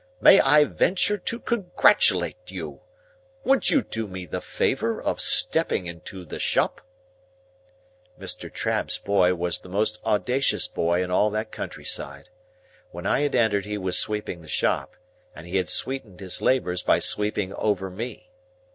May I venture to congratulate you? Would you do me the favour of stepping into the shop?" Mr. Trabb's boy was the most audacious boy in all that country side. When I had entered he was sweeping the shop, and he had sweetened his labours by sweeping over me.